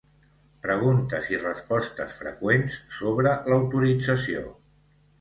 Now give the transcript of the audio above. Preguntes i respostes freqüents sobre l'autorització.